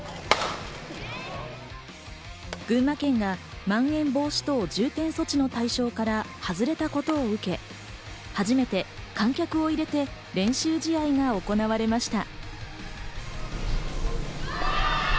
群馬県がまん延防止等重点措置の対象から外れたことを受け、初めて観客を入れて練習試合が行われました。